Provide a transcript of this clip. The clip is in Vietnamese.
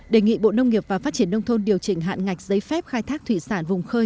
đề nghị bộ nông nghiệp và phát triển nông thôn điều chỉnh hạn ngạch giấy phép khai thác thủy sản vùng khơi